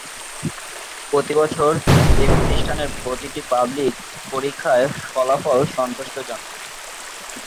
প্রতিবছর এই প্রতিষ্ঠানের প্রতিটি পাবলিক পরীক্ষার ফলাফল সন্তোষজনক।